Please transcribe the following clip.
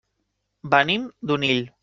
Venim d'Onil.